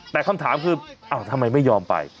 แต่คำถามคือทำไมไม่ยอมไป